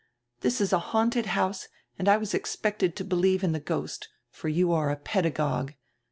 This is a haunted house and I was expected to believe in die ghost, for you are a pedagogue.